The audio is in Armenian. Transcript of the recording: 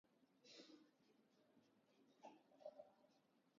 Երնջակ գետի օժանդակը։